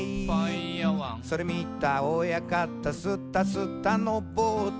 「それみた親方スタスタのぼって」